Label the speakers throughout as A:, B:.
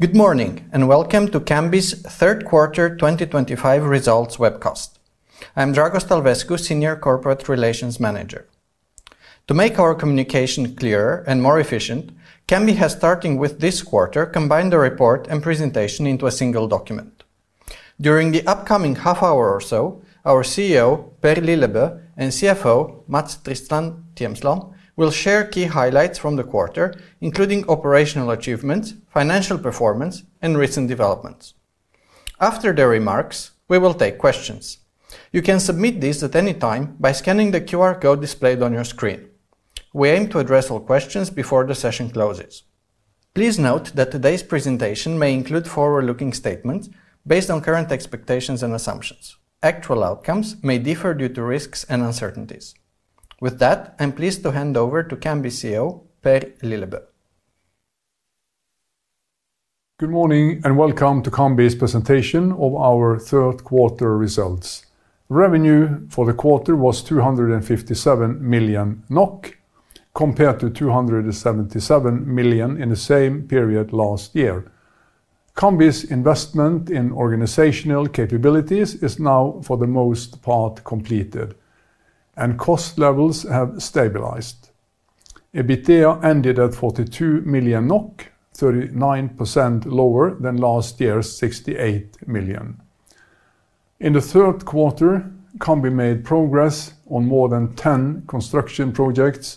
A: Good morning and welcome to Cambi's third quarter 2025 results webcast. I am Dragos Talvescu, Senior Corporate Relations Manager. To make our communication clearer and more efficient, Cambi has, starting with this quarter, combined the report and presentation into a single document. During the upcoming half hour or so, our CEO Per Lillebø and CFO Mats Tristan Tjemsland will share key highlights from the quarter, including operational achievements, financial performance, and recent developments. After the remarks we will take questions. You can submit these at any time by scanning the QR code displayed on your screen. We aim to address all questions before the session closes. Please note that today's presentation may include forward-looking statements based on current expectations and assumptions. Actual outcomes may differ due to risks and uncertainties. With that I am pleased to hand over to Cambi CEO Per Lillebø.
B: Good morning and welcome to Cambi's presentation of our third quarter results. Revenue for the quarter was 257 million NOK, compared to 277 million in the same period last year. Cambi's investment in organizational capabilities is now for the most part completed and cost levels have stabilized. EBITDA ended at 42 million NOK, 39% lower than last year's 68 million. In the third quarter Cambi made progress on more than 10 construction projects.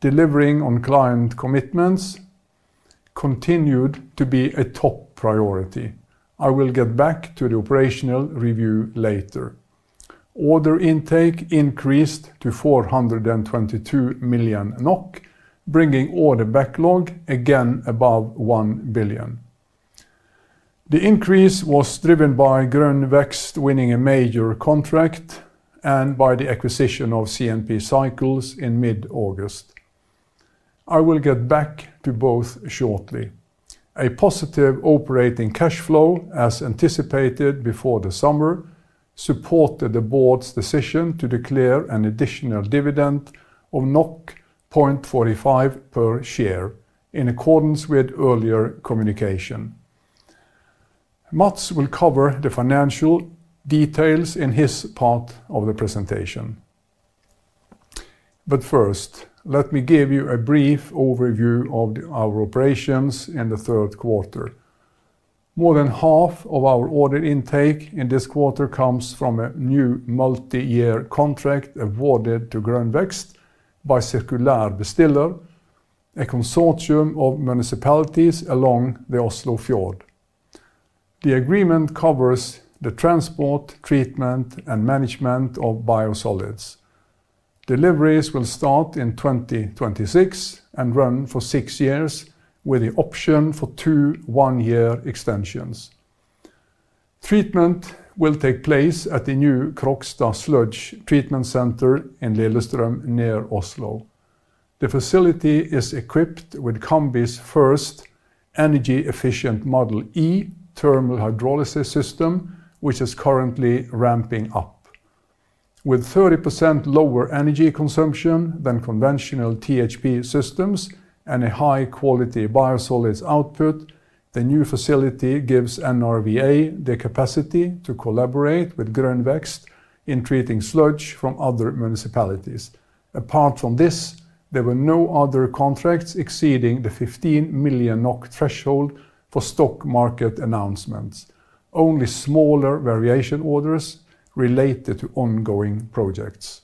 B: Delivering on client commitments continued to be a top priority. I will get back to the operational review later. Order intake increased to 422 million NOK, bringing order backlog again above 1 billion. The increase was driven by Groen Vex winning a major contract and by the acquisition of CNP Cycles in mid August. I will get back to both shortly. A positive operating cash flow, as anticipated before the summer, supported the board's decision to declare an additional dividend of 0.45 per share in accordance with earlier communication. Mats will cover the financial details in his part of the presentation, but first let me give you a brief overview of our operations in the third quarter. More than half of our order intake in this quarter comes from a new multi-year contract awarded to Groen Vex by Circular Distiller, a consortium of municipalities along the Oslofjord. The agreement covers the transport, treatment, and management of biosolids. Deliveries will start in 2026 and run for six years with the option for two one-year extensions. Treatment will take place at the new Krogstad Sludge Treatment Center in Lillestrøm near Oslo. The facility is equipped with Cambi's first energy efficient Model E thermal hydrolysis system, which is currently ramping up with 30% lower energy consumption than conventional THP systems and a high quality biosolids output. The new facility gives NRVA the capacity to collaborate with Groen Vex in treating sludge from other municipalities. Apart from this, there were no other contracts exceeding the 15 million NOK threshold for stock market announcements, only smaller variation orders related to ongoing projects.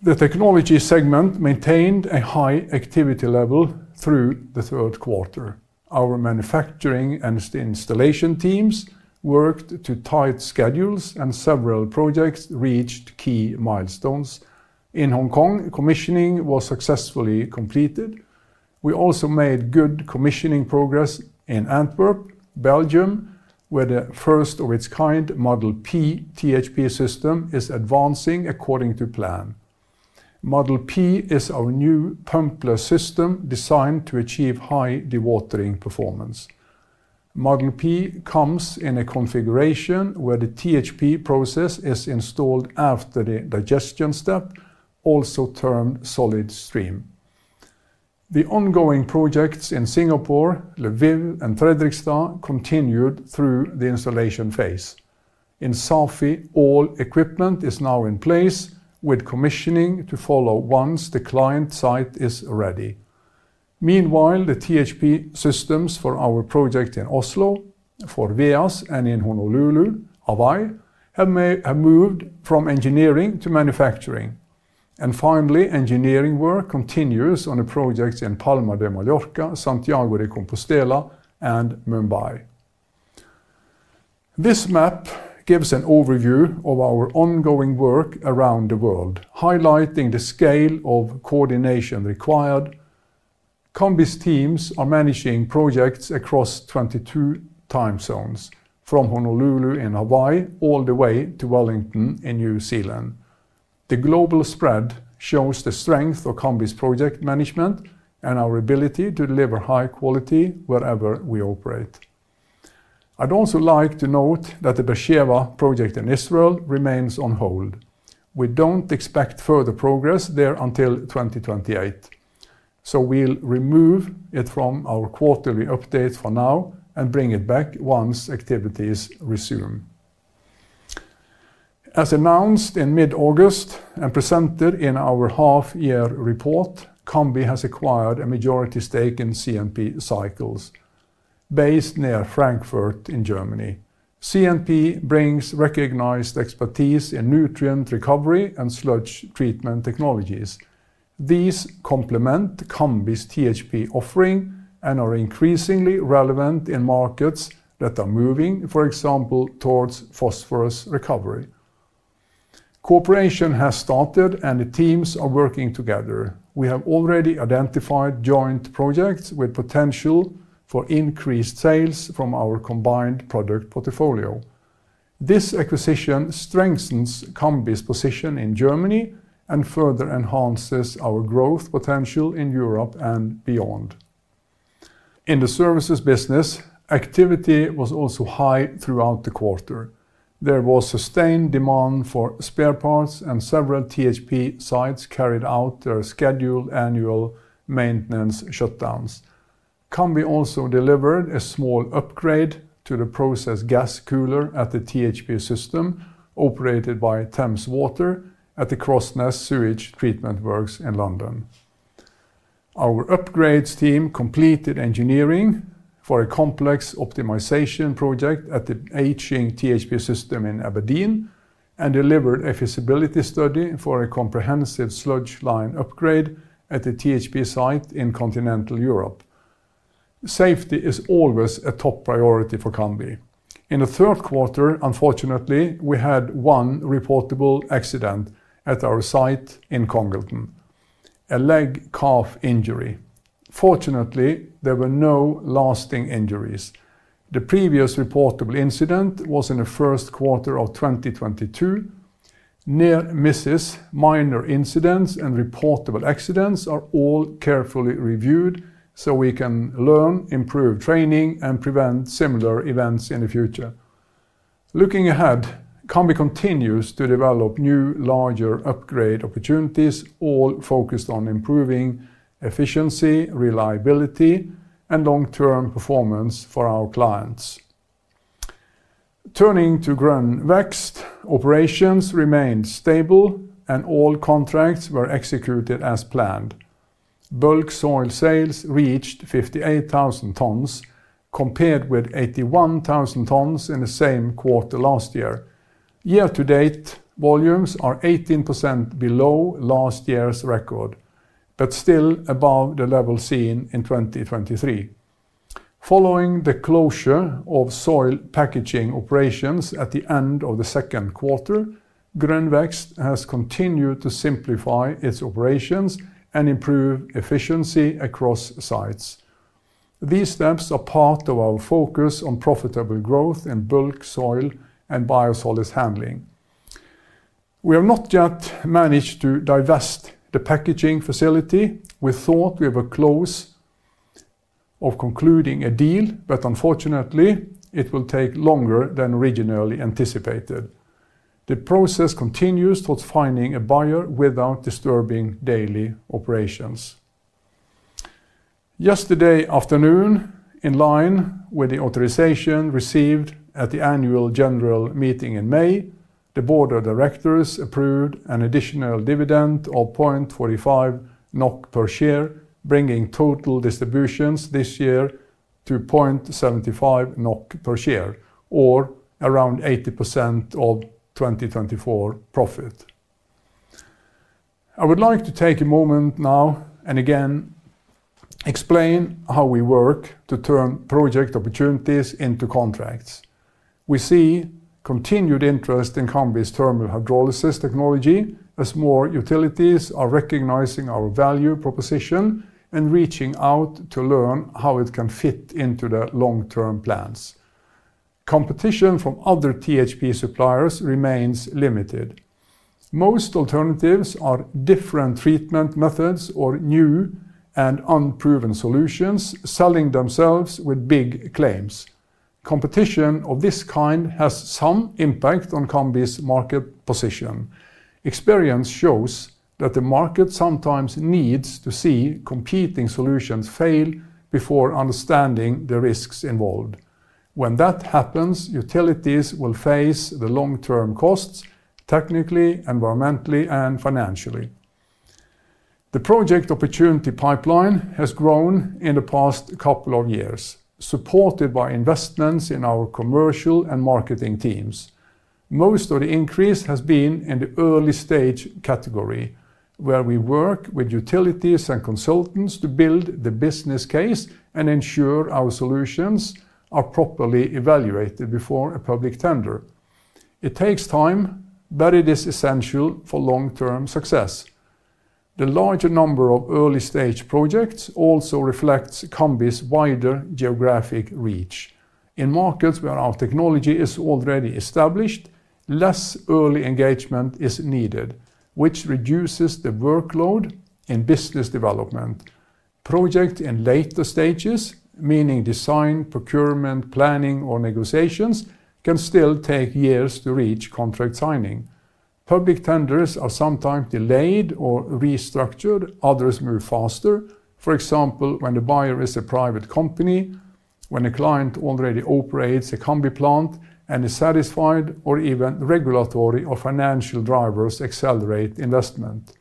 B: The technology segment maintained a high activity level through the third quarter. Our manufacturing and installation teams worked to tight schedules and several projects reached key milestones. In Hong Kong, commissioning was successfully completed. We also made good commissioning progress in Antwerp, Belgium, where the first of its kind Model P THP system is advancing according to plan. Model P is our new pumpless system designed to achieve high dewatering performance. Model P comes in a configuration where the THP process is installed after the digestion step, also termed solid stream. The ongoing projects in Singapore, Lviv, and Fredrikstad continued through the installation phase. In Safi, all equipment is now in place with commissioning to follow once the client site is ready. Meanwhile, the THP systems for our project in Oslo, for VEAS, and in Honolulu have moved from engineering to manufacturing, and finally engineering work continues on the projects in Palma de Mallorca, Santiago de Compostela, and Mumbai. This map gives an overview of our ongoing work around the world, highlighting the scale of coordination required. Cambi's teams are managing projects across 22 time zones, from Honolulu in Hawaii all the way to Wellington in New Zealand. The global spread shows the strength of Cambi's project management and our ability to deliver high quality wherever we operate. I'd also like to note that the Be'er Sheva project in Israel remains on hold. We don't expect further progress there until 2028, so we'll remove it from our quarterly updates for now and bring it back once activities resume. As announced in mid August and presented in our half year report, Cambi has acquired a majority stake in CNP Cycles, based near Frankfurt in Germany. CNP brings recognized expertise in nutrient recovery and sludge treatment technologies. These complement Cambi's THP offering and are increasingly relevant in markets that are moving, for example towards phosphorus recovery. Cooperation has started and the teams are working together. We have already identified joint projects with potential for increased sales from our combined product portfolio. This acquisition strengthens Cambi's position in Germany and further enhances our growth potential in Europe and beyond. In the services business, activity was also high throughout the quarter. There was sustained demand for spare parts and several THP sites carried out their scheduled annual maintenance shutdowns. Cambi also delivered a small upgrade to the process gas cooler at the THP system operated by Thames Water. At the Crossness Sewage Treatment Works in London, our upgrades team completed engineering for a complex optimization project at the ageing THP system in Aberdeen and delivered a feasibility study for a comprehensive sludge line upgrade at the THP site. In continental Europe, safety is always a top priority for Cambi. In the third quarter, unfortunately we had one reportable accident at our site in Congleton, a leg calf injury. Fortunately there were no lasting injuries. The previous reportable incident was in the first quarter of 2022. Near misses, minor incidents and reportable accidents are all carefully reviewed so we can learn, improve training and prevent similar events in the future. Looking ahead, Cambi continues to develop new, larger upgrade opportunities, all focused on improving efficiency, reliability and long term performance for our clients. Turning to Groen Vex, operations remained stable and all contracts were executed as planned. Bulk soil sales reached 58,000 tons compared with 81,000 tons in the same quarter last year. Year to date volumes are 18% below last year's record, but still above the level seen in 2023. Following the closure of soil packaging operations at the end of the second quarter, Groen Vex has continued to simplify its operations and improve efficiency across sites. These steps are part of our focus on profitable growth in bulk soil and biosolids handling. We have not yet managed to divest the packaging facility. We thought we had a close of concluding a deal, but unfortunately it will take longer than originally anticipated. The process continues towards finding a buyer without disturbing daily operations. Yesterday afternoon, in line with the authorization received and at the annual general meeting in May, the Board of Directors approved an additional dividend of 0.45 NOK per share, bringing total distributions this year to 0.75 NOK per share, or around 80% of 2024 profit. I would like to take a moment now and again explain how we work to turn project opportunities into contracts. We see continued interest in Cambi's thermal hydrolysis technology as more utilities are recognizing our value proposition and reaching out to learn how it can fit into their long term plans. Competition from other THP suppliers remains limited. Most alternatives are different treatment methods or new and unproven solutions selling themselves with big claims. Competition of this kind has some impact on Cambi's market position. Experience shows that the market sometimes needs to see competing solutions fail before understanding the risks involved. When that happens, utilities will face the long term costs, technically, environmentally, and financially. The project opportunity pipeline has grown in the past couple of years, supported by investments in our commercial and marketing teams. Most of the increase has been in the early stage category where we work with utilities and consultants to build the business case and ensure our solutions are properly evaluated before a public tender. It takes time, but it is essential for long term success. The larger number of early stage projects also reflects Cambi's wider geographic reach. In markets where our technology is already established, less early engagement is needed, which reduces the workload in business development projects in later stages, meaning design, procurement, planning, or negotiations can still take years to reach. Contract signing. Public tenders are sometimes delayed or restructured. Others move faster, for example when the buyer is a private company, when a client already operates a Cambi plant and is satisfied, or even regulatory or financial drivers accelerate investment.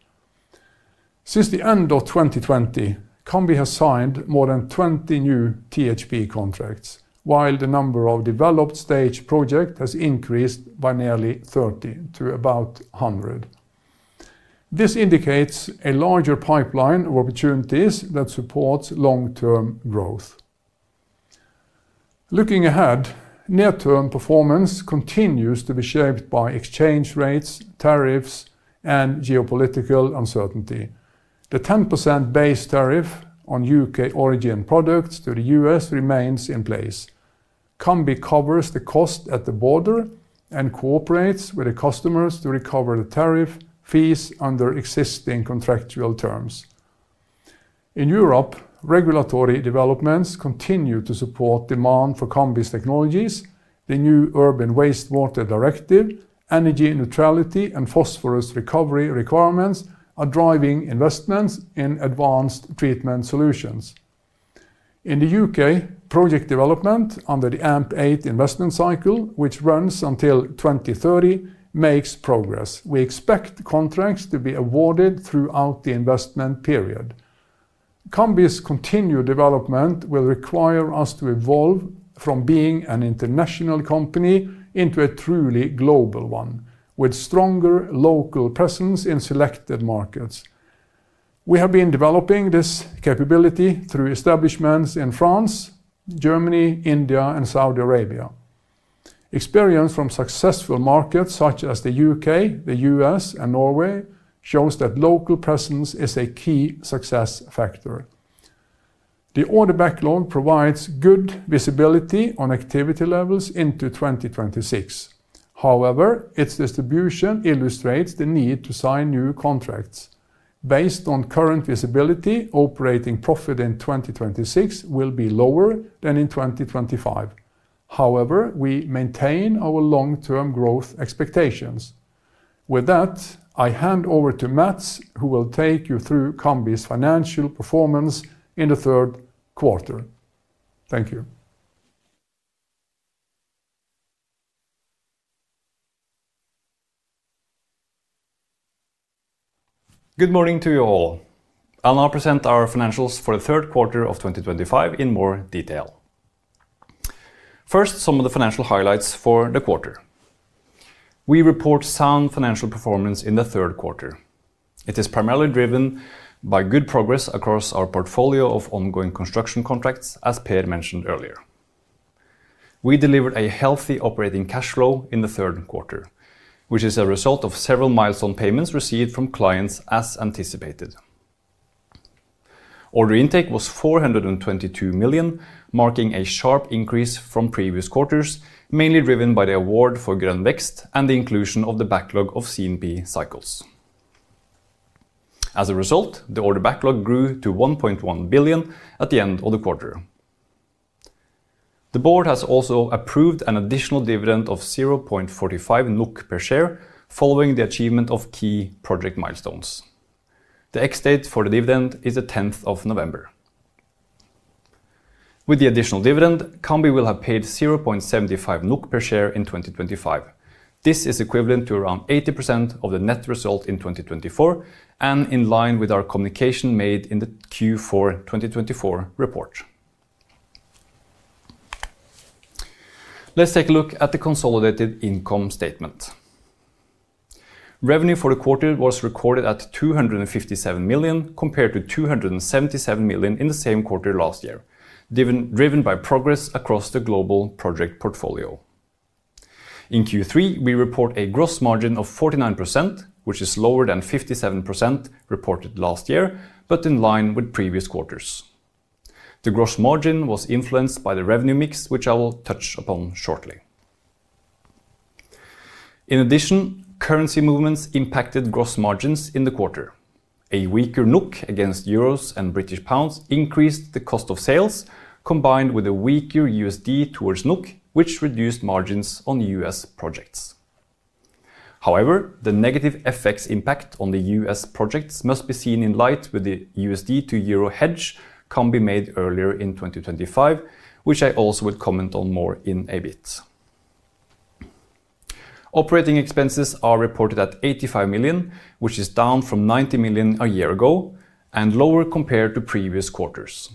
B: Since the end of 2020, Cambi has signed more than 20 new THP contracts, while the number of developed stage projects has increased by nearly 30 to about 100. This indicates a larger pipeline of opportunities that supports long term growth. Looking ahead, near term performance continues to be shaped by exchange rates, tariffs, and geopolitical uncertainty. The 10% base tariff on U.K. origin products to the U.S. remains in place. Cambi covers the cost at the border and cooperates with the customers to recover the tariff fees under existing contractual terms. In Europe, regulatory developments continue to support demand for Cambi's technologies. The new Urban Wastewater Directive, energy neutrality and phosphorus recovery requirements are driving investments in advanced treatment solutions. In the U.K., project development under the AMP8 investment cycle, which runs until 2030, makes progress. We expect contracts to be awarded throughout the investment period. Cambi's continued development will require us to evolve from being an international company into a truly global one with stronger local presence in selected markets. We have been developing this capability through establishments in France, Germany, India, and Saudi Arabia. Experience from successful markets such as the U.K., the U.S., and Norway shows that local presence is a key success factor. The order backlog provides good visibility on activity levels into 2026. However, its distribution illustrates the need to sign new contracts based on current visibility. Operating profit in 2026 will be lower than in 2025. However, we maintain our long term growth expectations. With that, I hand over to Mats, who will take you through Cambi's financial performance in the third quarter. Thank you.
C: Good morning to you all. I'll now present our financials for the third quarter of 2025 in more detail. First, some of the financial highlights for the quarter. We report sound financial performance in the third quarter. It is primarily driven by good progress across our portfolio of ongoing construction contracts. As Per mentioned earlier, we delivered a healthy operating cash flow in the third quarter which is a result of several milestone payments received from clients. As anticipated, order intake was 422 million, marking a sharp increase from previous quarters, mainly driven by the award for Groen Vex and the inclusion of the backlog of CNP Cycles. As a result, the order backlog grew to 1.1 billion at the end of the quarter. The Board has also approved an additional dividend of 0.45 NOK per share following the achievement of key project milestones. The ex date for the dividend is the 10th of November. With the additional dividend Cambi will have paid 0.75 NOK per share in 2025. This is equivalent to around 80% of the net result in 2024 and in line with our communication made in the Q4 2020. Let's take a look at the consolidated income statement. Revenue for the quarter was recorded at 257 million compared to 277 million in the same quarter last year driven by progress across the global project portfolio. In Q3 we report a gross margin of 49% which is lower than 57% reported last year but in line with previous quarters. The gross margin was influenced by the revenue mix which I will touch upon shortly. In addition, currency movements impacted gross margins in the quarter. A weaker NOK against EUR and GBP increased the cost of sales combined with a weaker USD towards NOK which reduced margins on US projects. However, the negative FX impact on the US projects must be seen in light with the USD to EUR hedge Cambi made earlier in 2023 which I also will comment on more in a bit. Operating expenses are reported at 85 million which is down from 90 million a year ago and lower compared to previous quarters.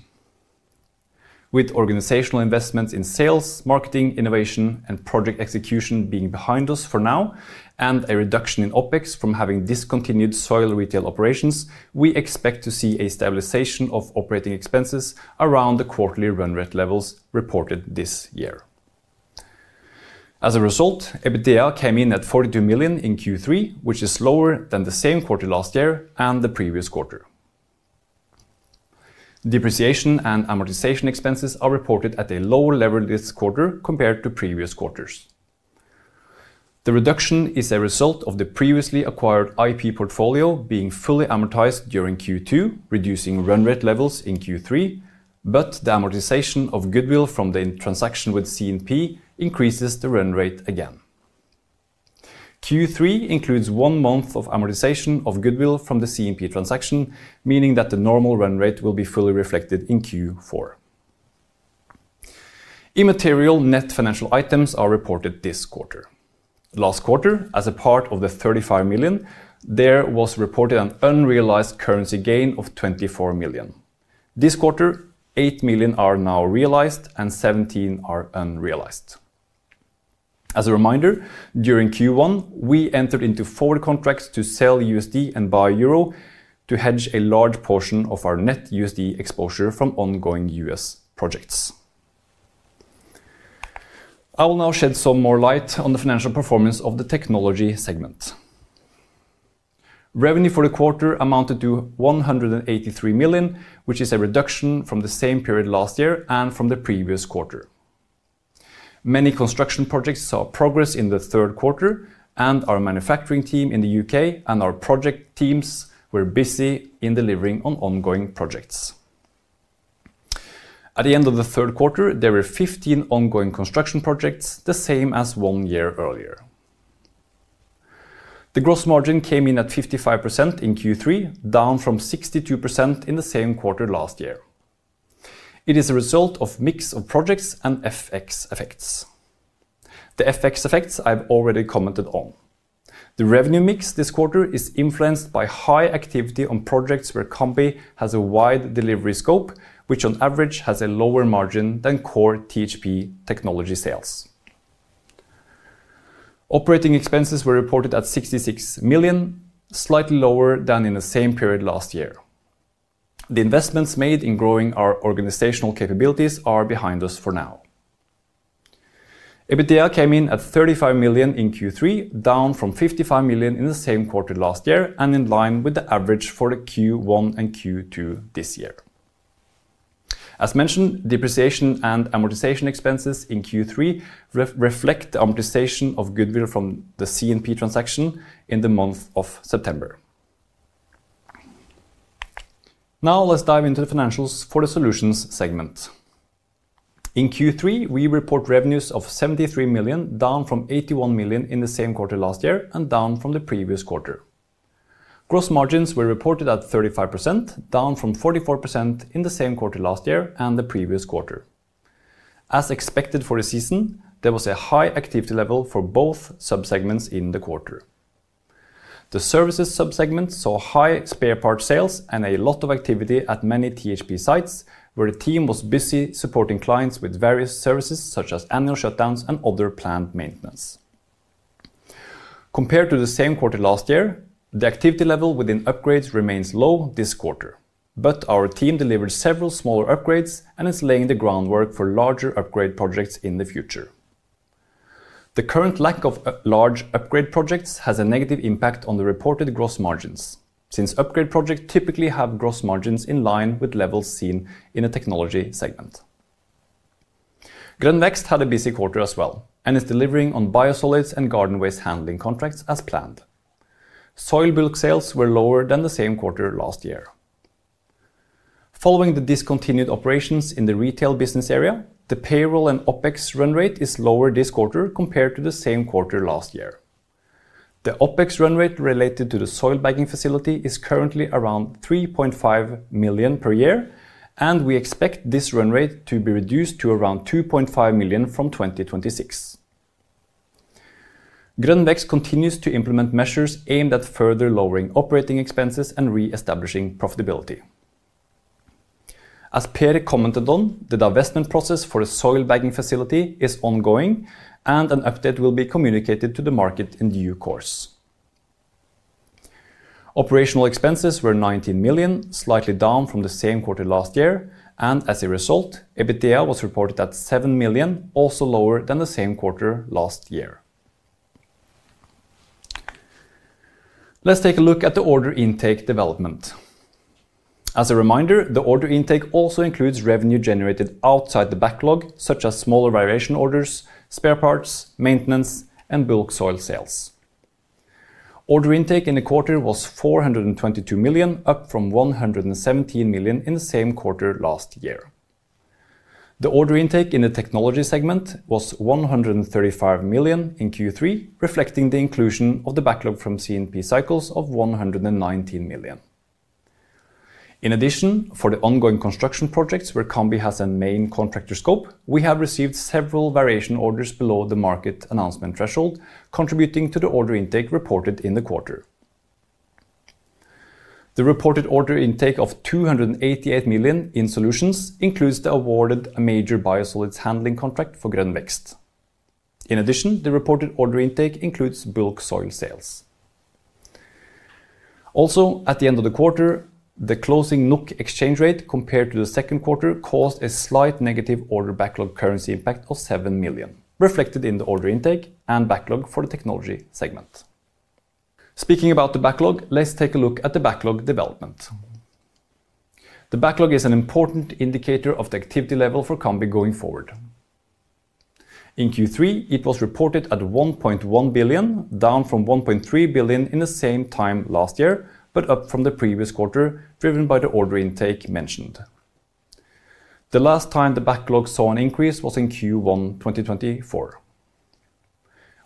C: With organizational investments in sales, marketing, innovation and project execution being behind us for now and a reduction in OpEx from having discontinued soil retail operations, we expect to see a stabilization of operating expenses around the quarterly run rate levels reported this year. As a result, EBITDA came in at 42 million in Q3, which is lower than the same quarter last year and the previous quarter. Depreciation and amortization expenses are reported at a lower level this quarter compared to previous quarters. The reduction is a result of the previously acquired IP portfolio being fully amortized during Q2, reducing run rate levels in Q3, but the amortization of goodwill from the transaction with CNP increases the run rate. Again, Q3 includes one month of amortization of goodwill from the CNP transaction, meaning that the normal run rate will be fully reflected in Q4. Immaterial net financial items are reported this quarter. Last quarter, as a part of the 35 million, there was reported an unrealized currency gain of 24 million. This quarter, 8 million are now realized and 17 million are unrealized. As a reminder, during Q1 we entered into forward contracts to sell USD and buy EUR to hedge a large portion of our net USD exposure from ongoing U.S. projects. I will now shed some more light on the financial performance of the technology segment. Revenue for the quarter amounted to 183 million, which is a reduction from the same period last year and from the previous quarter. Many construction projects saw progress in the third quarter and our manufacturing team in the U.K. and our project teams were busy in delivering on ongoing projects. At the end of the third quarter there were 15 ongoing construction projects, the same as one year earlier. The gross margin came in at 55% in Q3, down from 62% in the same quarter last year. It is a result of mix of projects and FX effects. The FX effects I have already commented on. The revenue mix this quarter is influenced by high activity on projects where Cambi has a wide delivery scope, which on average has a lower margin than core THP technology sales. Operating expenses were reported at 66 million, slightly lower than in the same period last year. The investments made in growing our organizational capabilities are behind us for now. EBITDA came in at 35 million in Q3, down from 55 million in the same quarter last year and in line with the average for Q1 and Q2 this year. As mentioned, depreciation and amortization expenses in Q3 reflect the amortization of goodwill from the CNP Cycles transaction in the month of September. Now let's dive into the financials for the solutions segment in Q3. We report revenues of 73 million, down from 81 million in the same quarter last year and down from the previous quarter. Gross margins were reported at 35%, down from 44% in the same quarter last year and the previous quarter. As expected for the season, there was a high activity level for both subsegments in the quarter. The services subsegment saw high spare parts sales and a lot of activity at many THP sites where the team was busy supporting clients with various services such as annual shutdowns and other planned maintenance compared to the same quarter last year. The activity level within upgrades remains low this quarter, but our team delivered several smaller upgrades and is laying the groundwork for larger upgrade projects in the future. The current lack of large upgrade projects has a negative impact on the reported gross margins since upgrade projects typically have gross margins in line with levels seen in a technology segment. Groen Vex had a busy quarter as well and is delivering on biosolids and garden waste handling contracts as planned. [Soil bulk] sales were lower than the same quarter last year following the discontinued operations in the retail business area. The payroll and OpEx run rate is lower this quarter compared to the same quarter last year. The OpEx run rate related to the soil bagging facility is currently around 3.5 million per year and we expect this run rate to be reduced to around 2.5 million from 2026. Groen Vex continues to implement measures aimed at further lowering operating expenses and reestablishing profitability. As Per commented on, the divestment process for a soil bagging facility is ongoing and an update will be communicated to the market in due course. Operational expenses were 19 million, slightly down from the same quarter last year and as a result EBITDA was reported at 7 million, also lower than the same quarter last year. Let's take a look at the order intake development. As a reminder, the order intake also includes revenue generated outside the backlog such as smaller variation orders, spare parts maintenance, and bulk soil sales. Order intake in the quarter was 422 million, up from 117 million in the same quarter last year. The order intake in the technology segment was 135 million in Q3, reflecting the inclusion of the backlog from CNP Cycles of 119 million. In addition, for the ongoing construction projects where Cambi has a main contractor scope, we have received several variation orders below the market announcement threshold contributing to the order intake reported in the quarter. The reported order intake of 288 million in solutions includes the awarded major biosolids handling contract for Groen Vex. In addition, the reported order intake includes bulk soil sales also at the end of the quarter. The closing NOK exchange rate compared to the second quarter caused a slight negative order backlog currency impact of 7 million reflected in the order intake and backlog for the technology segment. Speaking about the backlog, let's take a look at the backlog development. The backlog is an important indicator of the activity level for Cambi going forward. In Q3 it was reported at 1.1 billion, down from 1.3 billion in the same time last year, but up from the previous quarter driven by the order intake mentioned. The last time the backlog saw an increase was in Q1 2024.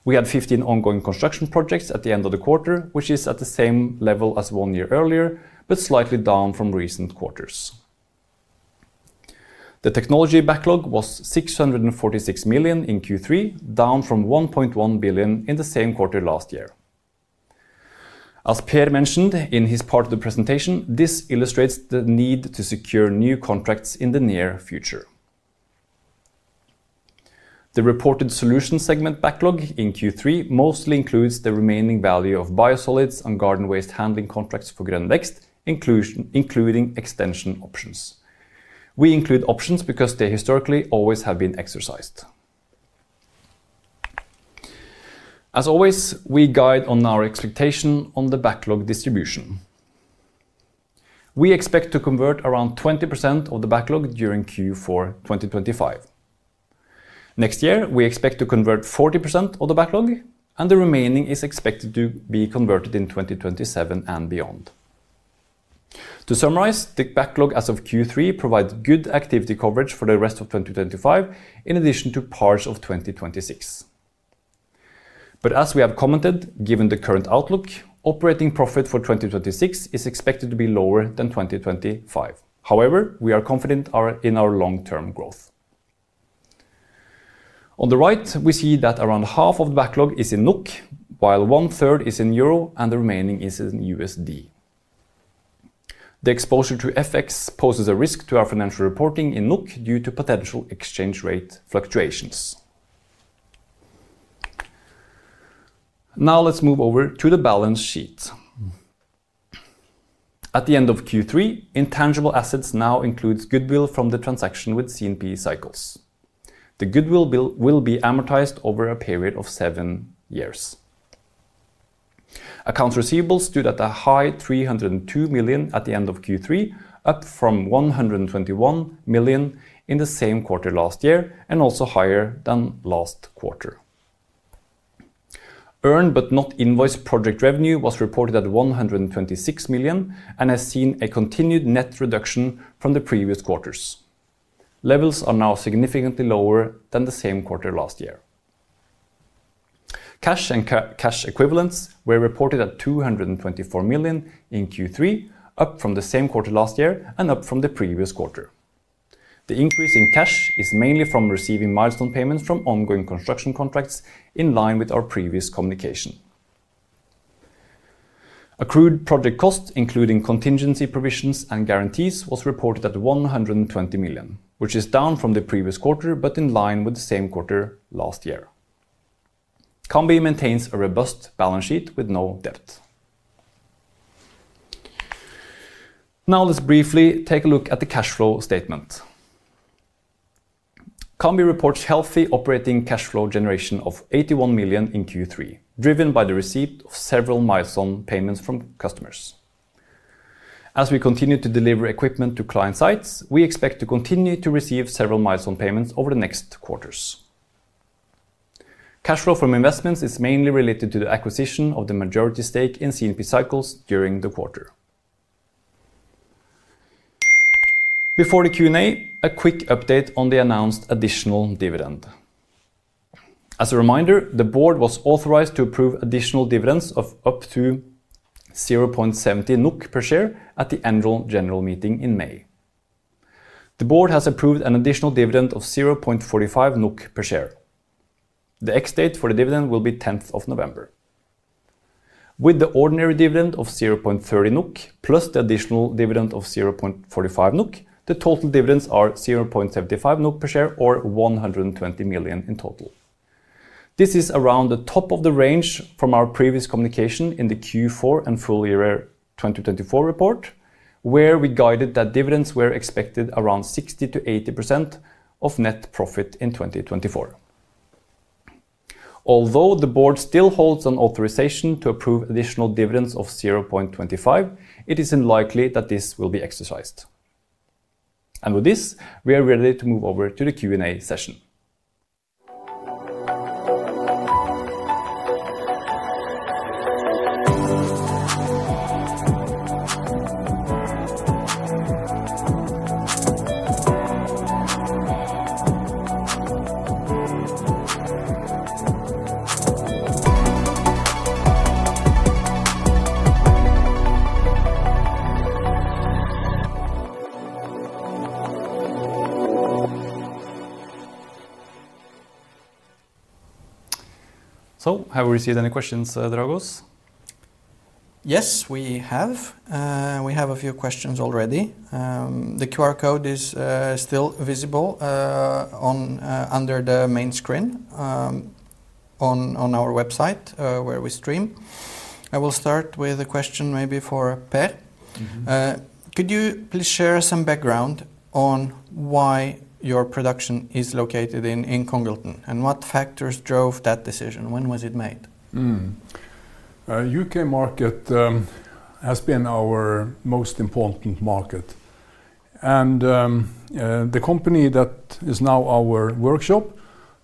C: We had 15 ongoing construction projects at the end of the quarter, which is at the same level as one year earlier but slightly down from recent quarters. The technology backlog was 646 million in Q3, down from 1.1 billion in the same quarter last year. As Per mentioned in his part of the presentation, this illustrates the need to secure new contracts in the near future. The reported Solutions segment backlog in Q3 mostly includes the remaining value of biosolids and garden waste handling contracts for Groen Vex, including extension options. We include options because they historically always have been exercised. As always, we guide on our expectation on the backlog distribution. We expect to convert around 20% of the backlog during Q4 2025. Next year we expect to convert 40% of the backlog and the remaining is expected to be converted in 2027 and beyond. To summarize, the backlog as of Q3 provides good activity coverage for the rest of 2025 in addition to parts of 2026. As we have commented, given the current outlook, operating profit for 2026 is expected to be lower than 2025. However, we are confident in our long term growth. On the right we see that around half of the backlog is in NOK while one-third is in EUR and the remaining is in USD. The exposure to FX poses a risk to our financial reporting in NOK due to potential exchange rate fluctuations. Now let's move over to the balance sheet at the end of Q3. Intangible assets now includes goodwill from the transaction with CNP Cycles. The goodwill will be amortized over a period of seven years. Accounts receivables stood at a high 302 million at the end of Q3, up from 121 million in the same quarter last year and also higher than last quarter. Earned but not invoiced project revenue was reported at 126 million and has seen a continued net reduction from the previous quarters. Levels are now significantly lower than the same quarter last year. Cash and cash equivalents were reported at 224 million in Q3, up from the same quarter last year and up from the previous quarter. The increase in cash is mainly from receiving milestone payments from ongoing construction contracts. In line with our previous communication, accrued project cost including contingency provisions and guarantees was reported at 120 million, which is down from the previous quarter but in line with the same quarter last year. Cambi maintains a robust balance sheet with no debt. Now let's briefly take a look at the cash flow statement. Cambi reports healthy operating cash flow generation of 81 million in Q3 driven by the receipt of several milestone payments from customers. As we continue to deliver equipment to client sites, we expect to continue to receive several milestone payments over the next quarters. Cash flow from investments is mainly related to the acquisition of the majority stake in CNP Cycles during the quarter. Before the Q and A. A quick update on the announced additional dividend. As a reminder, the Board was authorized to approve additional dividends of up to 0.70 NOK per share at the Annual General Meeting in May. The Board has approved an additional dividend of 0.45 NOK per share. The ex date for the dividend will be 10th of November with the ordinary dividend of 0.30 NOK plus the additional dividend of 0.45 NOK. The total dividends are 0.75 NOK per share or 120 million in total. This is around the top of the range from our previous communication in the Q4 and full year 2024 report where we guided that dividends were expected around 60-80% of net profit in 2024. Although the board still holds an authorization to approve additional dividends of 0.25, it is unlikely that this will be exercised, and with this we are ready to move over to the Q and A session. Have we received any questions Dragos?
A: Yes, we have. We have a few questions already. The QR code is still visible under the main screen on our website where we stream. I will start with a question, maybe for Per. Perhaps could you please share some background on why your production is located in Congleton and what factors drove that decision? When was it made?
B: U.K. market has been our most important market and the company that is now our workshop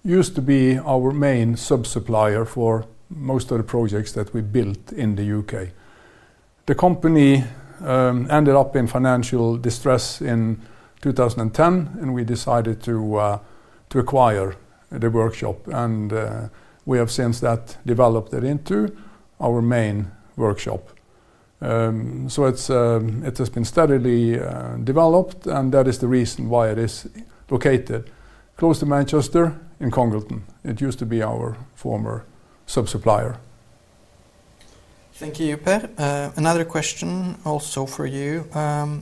B: used to be our main sub supplier for most of the projects that we built in the U.K. The company ended up in financial distress in 2010 and we decided to acquire the workshop and we have since developed it into our main workshop. It has been steadily developed and that is the reason why it is located close to Manchester in Congleton. It used to be our former sub supplier.
A: Thank you. Per, another question also for you.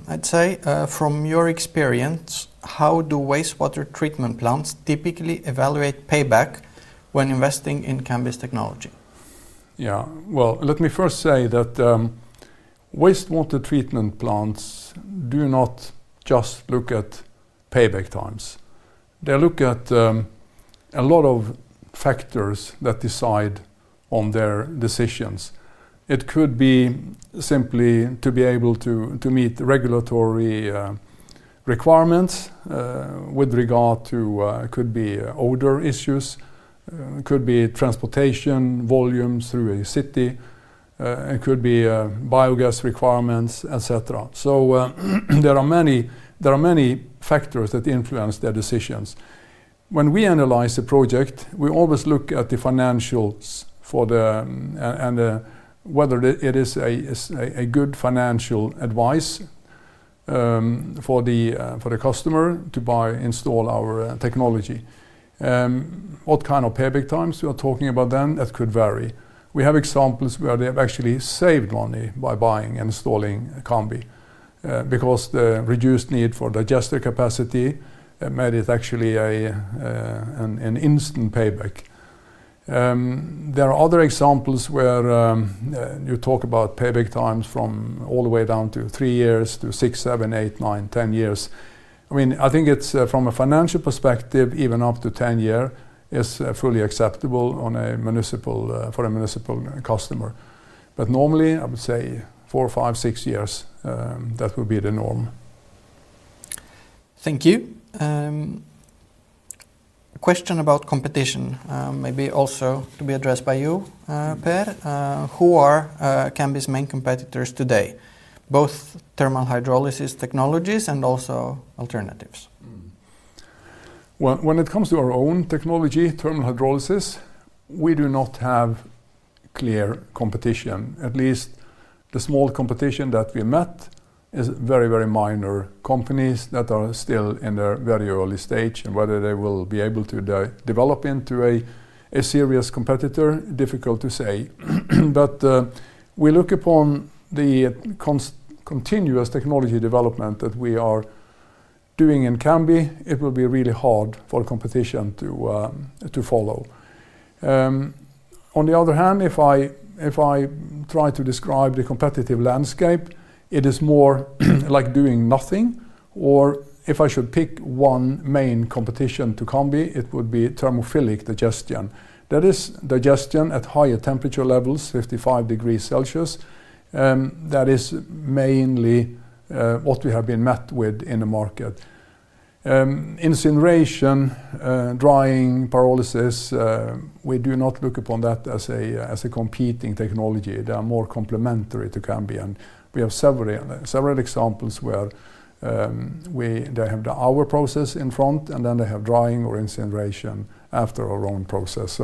A: I'd say from your experience, how do wastewater treatment plants typically evaluate payback when investing in Cambi's technology?
B: Yeah, let me first say that wastewater treatment plants do not just look at payback times, they look at a lot of factors that decide on their decisions. It could be simply to be able to meet regulatory requirements with regard to, could be odor issues, could be transportation volumes through a city, it could be biogas requirements, etc. There are many factors that influence their decisions. When we analyze a project, we always look at the financials and whether it is a good financial advice for the customer to buy and install our technology. What kind of payback times are we talking about then? That could vary. We have examples where they have actually saved money by buying and installing Cambi because the reduced need for digestive capacity made it actually an instant payback. There are other examples where you talk about payback times from all the way down to three years to six, seven, eight, nine, ten years. I mean, I think it's from a financial perspective even up to 10 years is fully acceptable on a municipal, for a municipal government customer. Normally, I would say four, five, six years, that would be the norm.
A: Thank you. Question about competition maybe also to be addressed by you, Per. Who are Cambi's main competitors today? Both thermal hydrolysis technologies and also alternatives.
B: When it comes to our own technology, thermal hydrolysis, we do not have clear competition. At least the small competition that we met is very, very minor. Companies that are still in their very early stage and whether they will be able to develop into a serious competitor, difficult to say. We look upon the continuous technology development that we are doing in Cambi. It will be really hard for competition to follow. If I try to describe the competitive landscape, it is more like doing nothing. If I should pick one main competition to Cambi, it would be thermophilic digestion. That is digestion at higher temperature levels, 55 degrees Celsius. That is mainly what we have been met with in the market. Incineration, drying, pyrolysis. We do not look upon that as a competing technology. They are more complementary to Cambi. We have several examples where they have their process in front and then they have drying or incineration after our own process.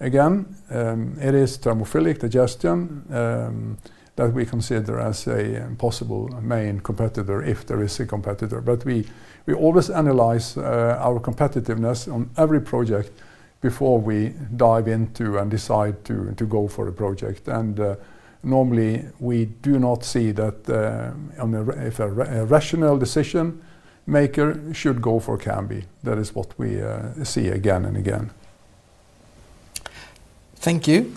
B: It is thermophilic digestion that we consider as a possible main competitor, if there is a competitor. We always analyze our competitiveness on every project before we dive into and decide to go for a project. Normally we do not see that if a rational decision maker should go for Cambi, that is what we see again and again.
A: Thank you.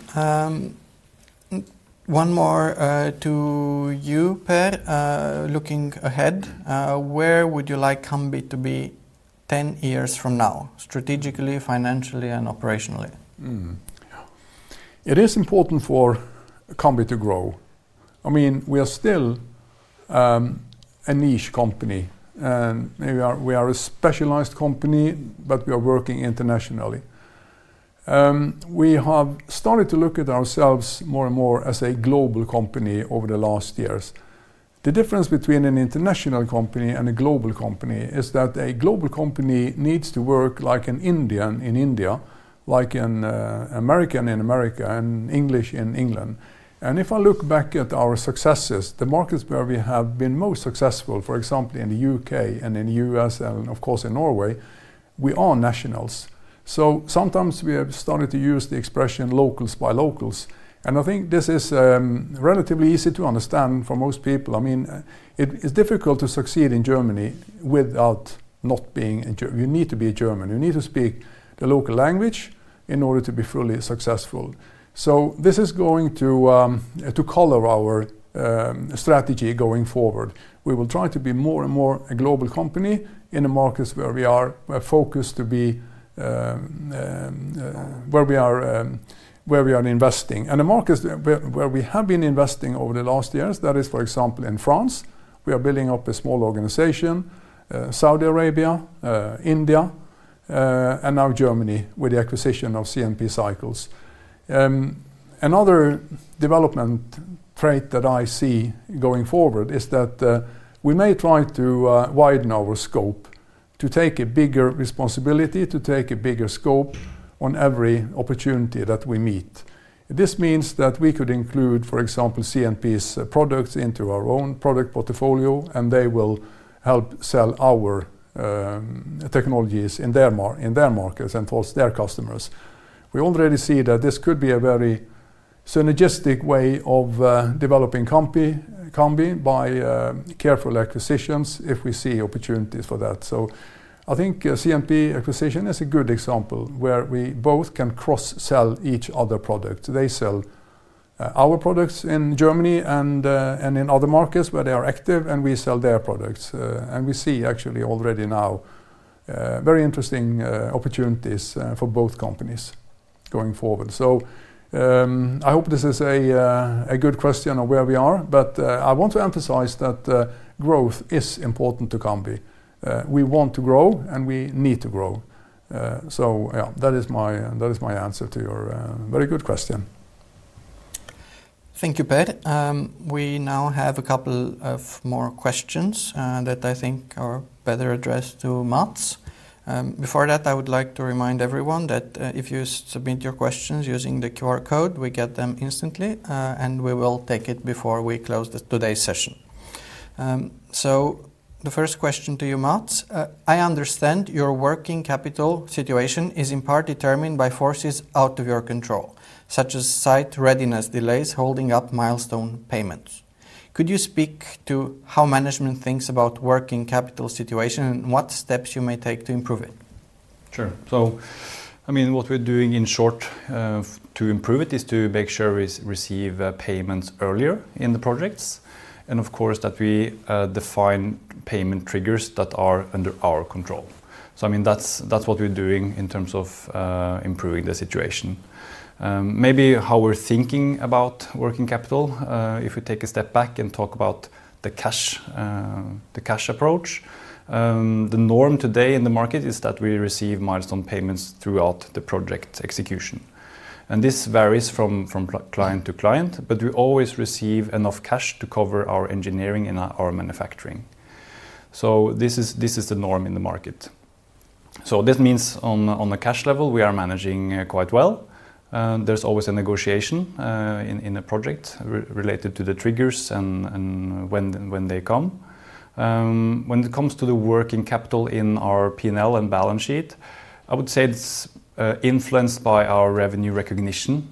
A: One more to you, Per. Looking ahead, where would you like Cambi to be 10 years from now? Strategically, financially and operationally.
B: It is important for Cambi to grow. I mean, we are still a niche company, we are a specialized company, but we are working internationally. We have started to look at ourselves more and more as a global company over the last years. The difference between an international company and a global company is that a global company needs to work like an Indian in India, like an American in America, an English in England. If I look back at our successes, the markets where we have been most successful, for example, in the U.K. and in the U.S. and of course in Norway, we are nationals. Sometimes we have started to use the expression locals by locals. I think this is relatively easy to understand for most people. I mean, it is difficult to succeed in Germany without not being in German. You need to be German, you need to speak the local language in order to be fully successful. This is going to color our strategy going forward. We will try to be more and more a global company in the markets where we are focused to be, where we are investing, and the markets where we have been investing over the last years, that is, for example, in France, we are building up a small organization, Saudi Arabia, India, and now Germany with the acquisition of CNP Cycles. Another development trait that I see going forward is that we may try to widen our scope, to take a bigger responsibility, to take a bigger scope on every opportunity that we meet. This means that we could include, for example, CNP's products into our own product portfolio and they will help sell our technologies in their markets and towards their customers. We already see that this could be a very synergistic way of developing Cambi by careful acquisitions if we see opportunities for that. I think CNP acquisition is a good example where we both can cross sell each other's product. They sell our products in Germany and in other markets where they are active and we sell their products. We see actually already now very interesting opportunities for both companies going forward. I hope this is a good question of where we are. I want to emphasize that growth is important to Cambi. We want to grow and we need to grow. That is my answer to your very good question.
A: Thank you, Per. We now have a couple of more questions that I think are better addressed to Mats. Before that, I would like to remind everyone that if you submit your questions using the QR code, we get them instantly and we will take it before we close today's session. The first question to you, Mats, I understand your working capital situation is in part determined by forces out of your control, such as site readiness, delays, holding up milestone payments. Could you speak to how management thinks about working capital situation and what steps you may take to improve it?
C: Sure. I mean, what we're doing, in short, to improve it is to make sure we receive payments earlier in the projects and of course that we define payment triggers that are under our control. I mean that's what we're doing in terms of improving the situation, maybe how we're thinking about working capital. If we take a step back and talk about the cash. The cash approach, the norm today in the market is that we receive milestone payments throughout the project execution and this varies from client to client, but we always receive enough cash to cover our engineering and our manufacturing. This is the norm in the market. This means on the cash level we are managing quite well. There is always a negotiation in a project related to the triggers and when they come. When it comes to the working capital in our P and L and balance sheet, I would say it's influenced by our revenue recognition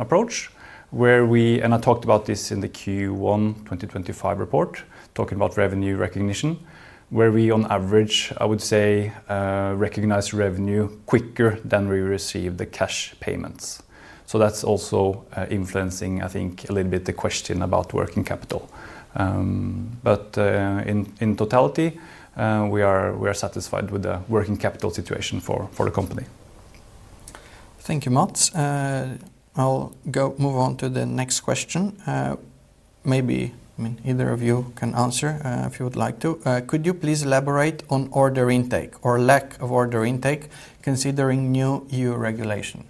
C: approach where we and I talked about this in the Q1 2025 report talking about revenue recognition where we on average I would say recognize revenue quicker than we receive the cash payments. That's also influencing I think a little bit the question about working capital. In totality we are satisfied with the working capital situation for the company.
A: Thank you, Mats. I'll move on to the next question. Maybe either of you can answer if you would like to. Could you please elaborate on order intake or lack of order intake? Considering new EU regulation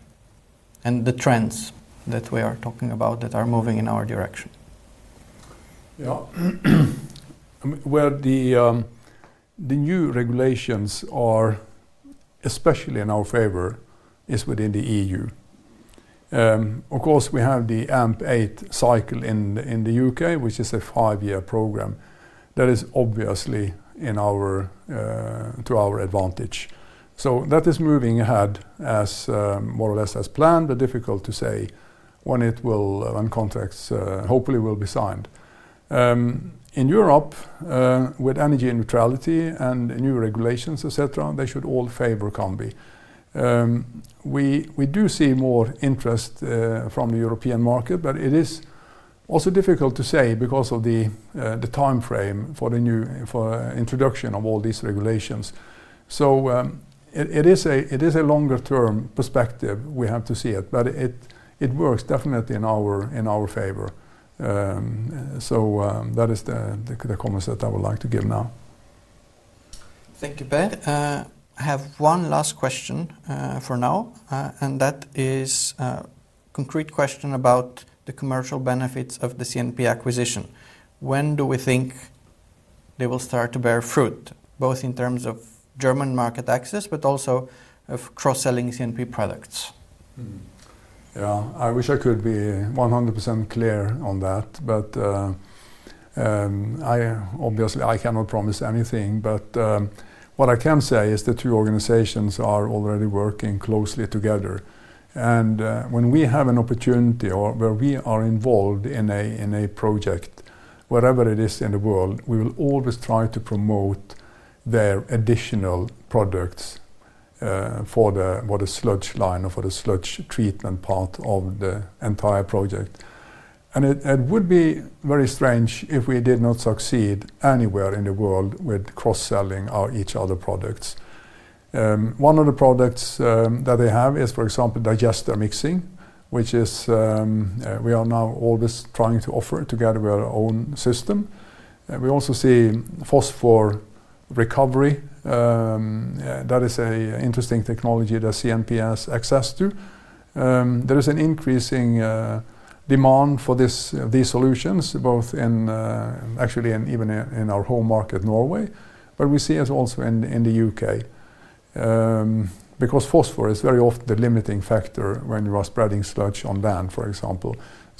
A: and the trends that we are talking about that are moving in our direction.
B: Where the new regulations are especially in our favor is within the EU. Of course we have the AMP8 cycle in the U.K., which is a five-year program that is obviously to our advantage. That is moving ahead more or less as planned, but difficult to say when it will, when contracts hopefully will be signed. In Europe, with energy neutrality and new regulations, etc., they should all favor Cambi. We do see more interest from the European market, but it is also difficult to say because of the time frame for the introduction of all these regulations. It is a longer-term perspective. We have to see it, but it works definitely in our favor. That is the comments that I would like to give now. Thank you.
A: I have one last question for now, and that is a concrete question about the commercial benefits of the CNP acquisition. When do we think they will start to bear fruit, both in terms of German market access but also of cross-selling CNP products?
B: I wish I could be 100% clear on that, but obviously I cannot promise anything. What I can say is the two organizations are already working closely together, and when we have an opportunity or where we are involved in a project, wherever it is in the world, we will always try to promote their additional products for the sludge line or for the sludge treatment part of the entire project. It would be very strange if we did not succeed anywhere in the world with cross selling our each other products. One of the products that they have is, for example, digestate mixing, which we are now always trying to offer together with our own system. We also see phosphorus recovery. That is an interesting technology that CNP has access to. There is an increasing demand for these solutions both in actuality and even in our home market Norway, but we see it also in the U.K. because phosphorus is very often the limiting factor when you are spreading sludge on land, for example.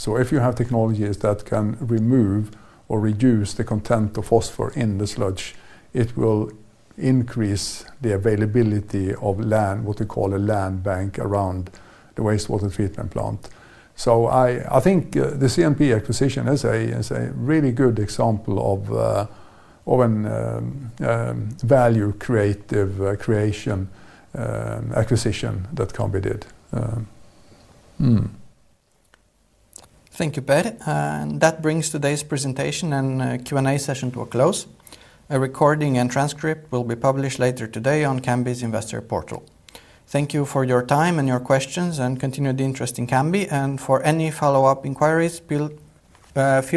B: If you have technologies that can remove or reduce the content of phosphorus in the sludge, it will increase the availability of land, what we call a land bank around the wastewater treatment plant. I think the CNP acquisition is a really good example of value creation acquisition that Cambi did.
A: Thank you Per. That brings today's presentation and Q and A session to a close. A recording and transcript will be published later today on Cambi's Investor Portal. Thank you for your time and your questions and continued interest in Cambi. For any follow up inquiries, feel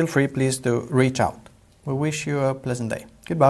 A: free please to reach out. We wish you a pleasant day. Goodbye.